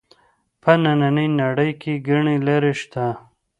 په نننۍ نړۍ کې ګڼې لارې شته